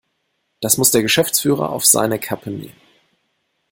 Das muss der Geschäftsführer auf seine Kappe nehmen.